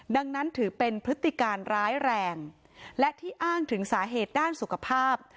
ดังนั้นถือเป็นพฤติการร้ายแรงและที่อ้างถึงสาเหตุด้านสุขภาพ